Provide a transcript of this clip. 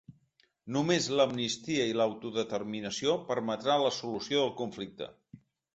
Només l'amnistia i l'autodeterminació permetrà la solució del conflicte.